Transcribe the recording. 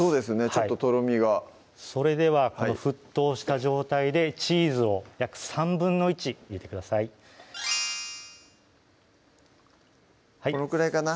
ちょっととろみがそれではこの沸騰した状態でチーズを約１／３入れてくださいこのくらいかな？